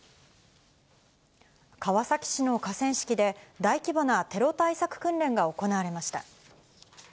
川崎市の河川敷で、大規模なテロ対策訓練が行われました。